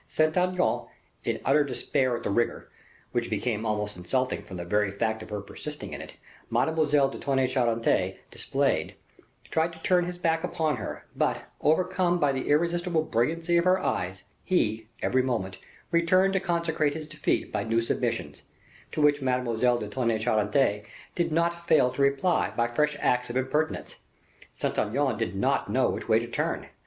Saint Aignan, in utter despair at the rigor, which became almost insulting from the very fact of her persisting in it, Mademoiselle de Tonnay Charente displayed, tried to turn his back upon her; but, overcome by the irresistible brilliancy of her eyes, he, every moment, returned to consecrate his defeat by new submissions, to which Mademoiselle de Tonnay Charente did not fail to reply by fresh acts of impertinence. Saint Aignan did not know which way to turn.